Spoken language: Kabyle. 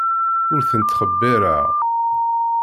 Ur ten-ttxebbireɣ.